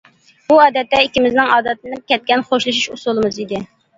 بۇ ئادەتتە ئىككىمىزنىڭ ئادەتلىنىپ كەتكەن «خوشلىشىش» ئۇسۇلىمىز ئىدى.